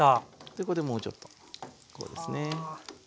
これでもうちょっとこうですね。